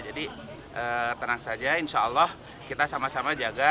jadi tenang saja insya allah kita sama sama jaga